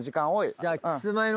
じゃあ。